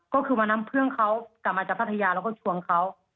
ก็คือวันนั้นเพื่อนเขากลับมาจากพัทยาแล้วก็ชวนเขา